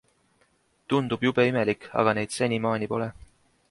Tundub jube imelik, aga neid senimaani pole.